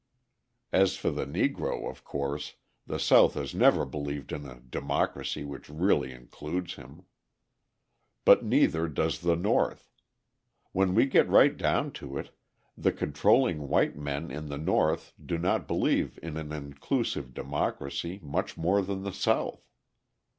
As for the Negro, of course, the South has never believed in a democracy which really includes him. But neither does the North. When we get right down to it, the controlling white men in the North do not believe in an inclusive democracy much more than the South.